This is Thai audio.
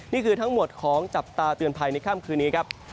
นี่คือทั้งหมดของจับตาเตือนภัยในค่ำคืนนี้ครับ